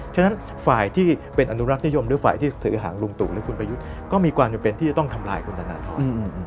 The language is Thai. ฉะนั้นฝ่ายที่เป็นอนุรักษ์นิยมหรือฝ่ายที่ถือหางลุงตู่หรือคุณประยุทธ์ก็มีความจำเป็นที่จะต้องทำลายคุณธนทร